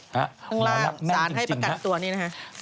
หน้า๑หน้าล่างสารให้ประกันตัวนี้นะฮะ